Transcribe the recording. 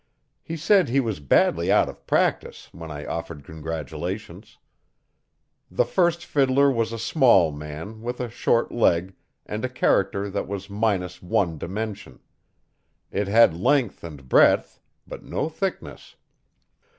He said he was badly out of practice when I offered congratulations. The first fiddler was a small man, with a short leg, and a character that was minus one dimension. It had length and breadth but no thickness.